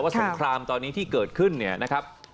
สงครามตอนนี้ที่เกิดขึ้นเนี่ยนะครับ